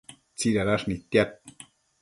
tsidadash nidtiad